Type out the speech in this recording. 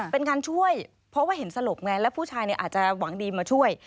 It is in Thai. เป็นการช่วยเพราะว่าเห็นสลบไงแล้วผู้ชายอาจจะหวังดีมาช่วย